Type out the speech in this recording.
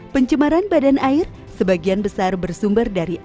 pencemaran badan air sebagian besar bersumber dari air